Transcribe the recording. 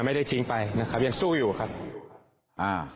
ไม่ได้ทิ้งไปนะครับยังสู้อยู่ครับอ่า